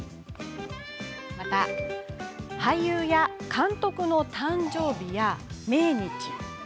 俳優や監督の誕生日や命日